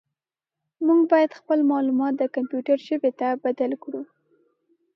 موږ باید خپل معلومات د کمپیوټر ژبې ته بدل کړو.